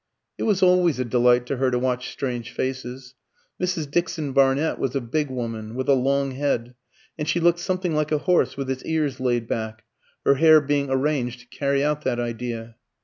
It was always a delight to her to watch strange faces. Mrs. Dixon Barnett was a big woman, with a long head, and she looked something like a horse with its ears laid back, her hair being arranged to carry out that idea.